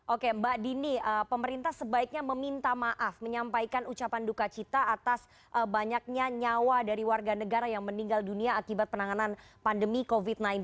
oke mbak dini pemerintah sebaiknya meminta maaf menyampaikan ucapan duka cita atas banyaknya nyawa dari warga negara yang meninggal dunia akibat penanganan pandemi covid sembilan belas